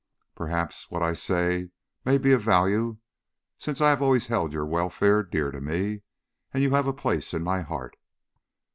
Perhaps what I say may be of value since I have always held your welfare dear to me, and you have a place in my heart.